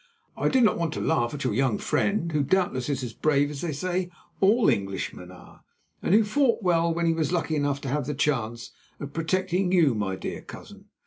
"I did not want to laugh at your young friend, who doubtless is as brave as they say all Englishmen are, and who fought well when he was lucky enough to have the chance of protecting you, my dear cousin.